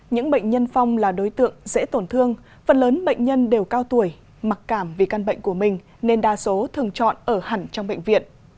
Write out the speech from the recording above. những bệnh nhân phong là đối tượng dễ tổn thương phần lớn bệnh nhân đều cao tuổi mặc cảm vì căn bệnh của mình nên đa số thường chọn ở hẳn trong bệnh viện